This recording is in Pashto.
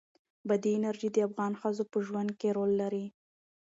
بادي انرژي د افغان ښځو په ژوند کې رول لري.